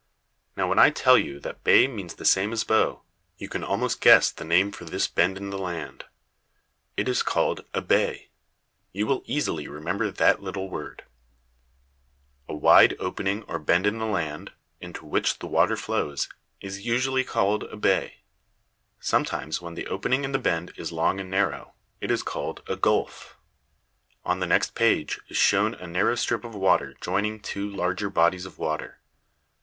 Now, when I tell yon that bay means the same as bow, you can almost guess the name for this bend in the land. It is called a bay. You will easily remember that little word. [Illustration: MAP OF A BAY.] A wide opening or bend in the land, into which the water flows, is usually called a bay. Sometimes, when the opening in the bend is long and narrow, it is called a gulf. On the next page is shown a narrow strip of water joining two larger bodies of water.